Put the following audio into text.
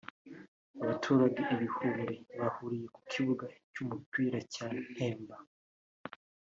Abaturage ibihumbi bahuriye ku kibuga cy’umupira cya Nemba